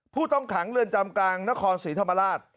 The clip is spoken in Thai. ผู้ต้องขังเรือนจำกลางนครศรีธรรมราช